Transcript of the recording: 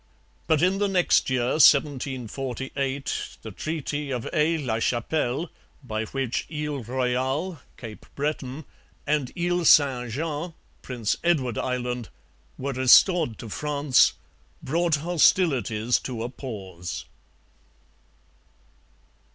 But in the next year (1748) the Treaty of Aix la Chapelle, by which Ile Royale (Cape Breton) and Ile St Jean (Prince Edward Island) were restored to France, brought hostilities to a pause.